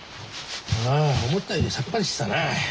ああ思ったよりさっぱりしてたな。